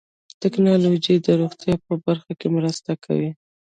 ټکنالوجي د روغتیا په برخه کې مرسته کوي.